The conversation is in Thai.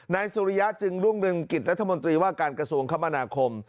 สุริยะจึงรุ่งเรืองกิจรัฐมนตรีว่าการกระทรวงคมนาคม